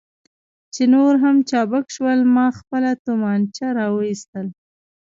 چې نور هم چابک شول، ما خپله تومانچه را وایستل.